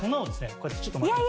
こうやってちょっとまきます。